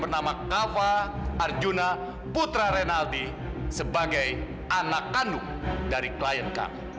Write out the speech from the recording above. bernama kava arjuna putra rinaldi sebagai anak yang bernama edo